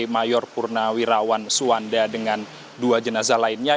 mayor purnawirawan suwanda dengan dua jenazah lainnya